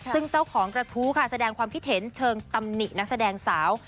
ซึ่งเจ้าของกระทู้ค่ะแสดงความคิดเห็นเชิงตำหนินักแสดงสาว